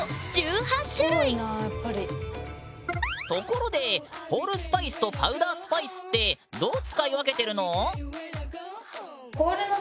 ところでホールスパイスとパウダースパイスってどう使い分けてるの？